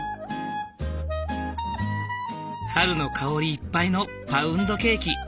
春の香りいっぱいのパウンドケーキ。